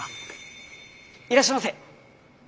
いらっしゃいませ。